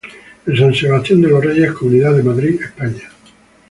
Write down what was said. En San Sebastián de los Reyes, Comunidad de Madrid España.